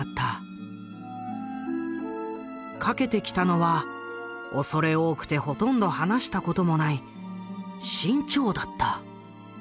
かけてきたのは恐れ多くてほとんど話したこともない志ん朝だった。